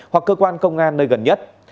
hoặc cơ quan công an nơi gần nhất